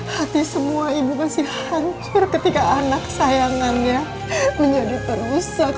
hati semua ibu masih hancur ketika anak sayangannya menjadi terusek